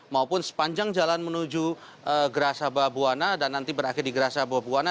maupun sepanjang jalan menuju gerasa babuana dan nanti berakhir di gerasa babuana